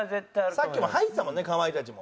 さっきも入ってたもんねかまいたちも。